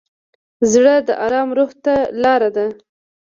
زړه د ارام روح ته لاره ده.